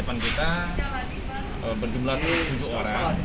di depan kita berjumlah tujuh orang